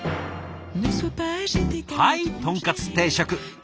はいとんかつ定食。